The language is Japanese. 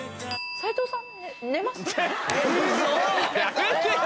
齊藤さん。